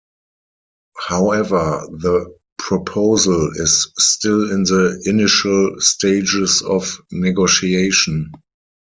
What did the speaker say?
However, the proposal is still in the initial stages of negotiation.